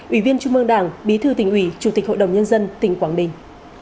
ủy viên trung mương đảng bí thư tỉnh ủy chủ tịch hội đồng nhân dân tỉnh quảng bình